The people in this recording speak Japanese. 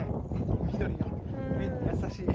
緑が目に優しい。